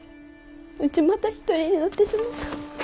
うちまた一人になってしもた。